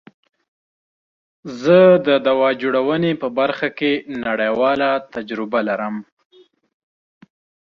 زه د دوا جوړونی په برخه کی نړیواله تجربه لرم.